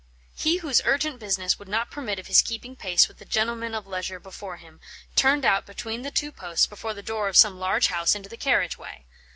He whose urgent business would not permit of his keeping pace with the gentleman of leisure before him, turned out between the two posts before the door of some large house into the carriage way.